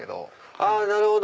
あぁなるほど。